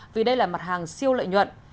vì đây là mặt hàng siêu lợi nhuận